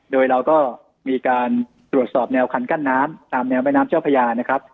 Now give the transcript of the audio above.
โดยเราก็มีการตรวจสอบแนวคันกั้นน้ำตามแนวแม่น้ำเจ้าพญานะครับ